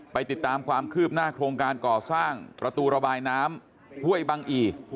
ติดตามความคืบหน้าโครงการก่อสร้างประตูระบายน้ำห้วยบังอี